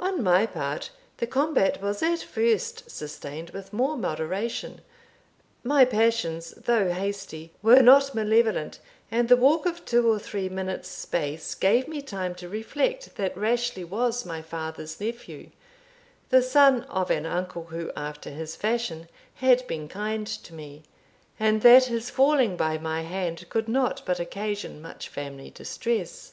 On my part, the combat was at first sustained with more moderation. My passions, though hasty, were not malevolent; and the walk of two or three minutes' space gave me time to reflect that Rashleigh was my father's nephew, the son of an uncle, who after his fashion had been kind to me, and that his falling by my hand could not but occasion much family distress.